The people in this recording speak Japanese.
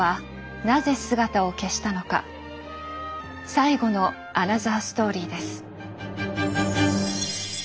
最後のアナザーストーリーです。